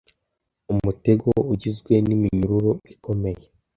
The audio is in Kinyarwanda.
Umutego ugizwe n'iminyururu ikomeye.